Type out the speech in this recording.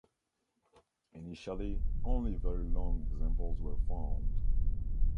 Initially, only very long examples were found.